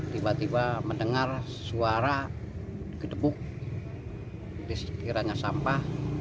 tiba tiba mendengar suara gedepuk kira kiranya sampah